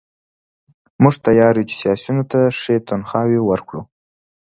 موږ تیار یو چې سیاسیونو ته ښې تنخواوې ورکړو.